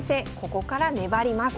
ここから粘ります。